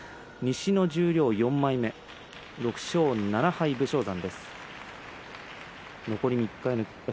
西の十両４枚目６勝７敗の武将山です。